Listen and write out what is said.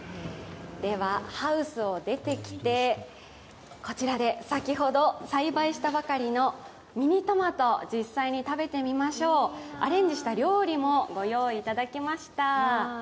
では、ハウスを出てきてこちらで先ほど、栽培したばかりのミニトマト、実際に食べてみましょうアレンジした料理もご用意いただきました。